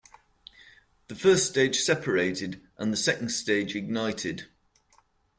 The first stage separated and the second stage ignited.